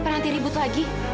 nanti ribut lagi